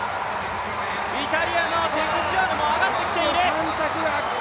イタリアのテクチュアヌも上がってきている。